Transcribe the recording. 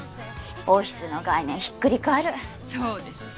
オフィスの概念ひっくり返るそうでしょ